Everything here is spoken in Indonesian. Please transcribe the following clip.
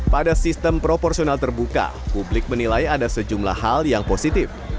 pada sistem proporsional terbuka publik menilai ada sejumlah hal yang positif